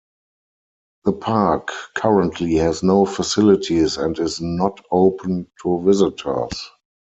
The Park currently has no facilities and is not open to visitors.